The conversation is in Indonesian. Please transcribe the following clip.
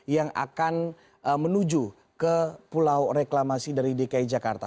yang akan menuju ke pulau reklamasi dari dki jakarta